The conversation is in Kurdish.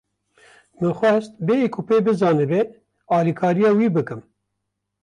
Min xwest bêyî ku pê bizanibe, alîkariya wî bikim.